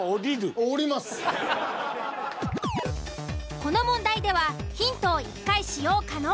この問題ではヒントを１回使用可能。